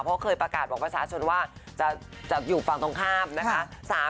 เพราะเคยประกาศบอกประชาชนว่าจะอยู่ฝั่งตรงข้ามนะคะ